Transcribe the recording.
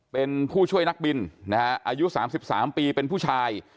เป็นผู้ช่วยนักบินนะฮะอายุ๓๓ปีเป็นผู้ชาย